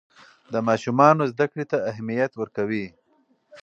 د ماشومانو زده کړې ته اهمیت ورکوي.